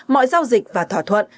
mọi giao dịch và thỏa thuận